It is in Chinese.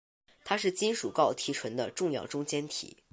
它是金属锆提纯的重要中间体。